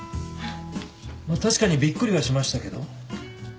確かにびっくりはしましたけど。